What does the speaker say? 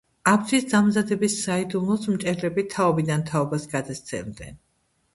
აბჯრის დამზადების საიდუმლოს მჭედლები თაობიდან თაობას გადასცემდნენ.